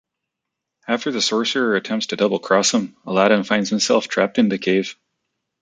After the sorcerer attempts to double-cross him, Aladdin finds himself trapped in the cave.